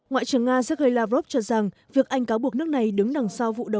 ngoại trưởng nga sergei lavrov cho rằng việc anh cáo buộc nước này đứng đằng sau vụ đầu